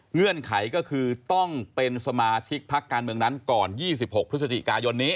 เงื่อนไขก็คือต้องเป็นสมาชิกพักการเมืองนั้นก่อน๒๖พฤศจิกายนนี้